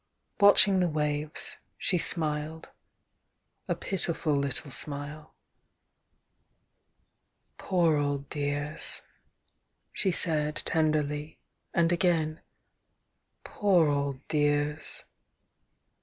Watching the waves, she smiled,— a pitiful little smile. "Poor old dears!" she said, tenderly, — and acain: "Poor old dears!"